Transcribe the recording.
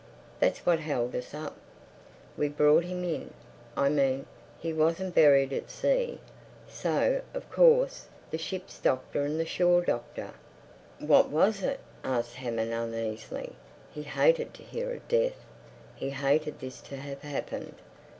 That's what held us up. We brought him in—I mean, he wasn't buried at sea. So, of course, the ship's doctor and the shore doctor—" "What was it?" asked Hammond uneasily. He hated to hear of death. He hated this to have happened.